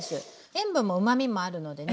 塩分もうまみもあるのでね